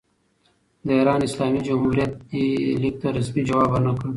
د ایران اسلامي جمهوریت دې لیک ته رسمي ځواب ور نه کړ.